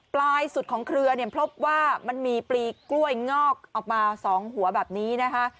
ปลายสุดของเครือเนี่ยพบว่ามันมีปลีกล้วยงอกออกมา๒หัวแบบนี้นะคะ